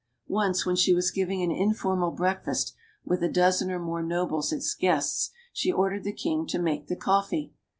Once, when she was giving an informal breakfast with a dozen or more nobles as guests, she ordered the king to make the coffee.